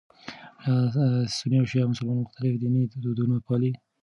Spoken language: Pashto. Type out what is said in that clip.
ایا سني او شیعه مسلمانان مختلف ديني دودونه پالي؟